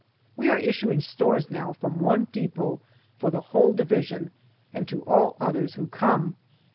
We are issuing stores now from one depot for the whole Division, and to all others who come.